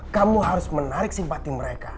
kamu harus menarik simpati mereka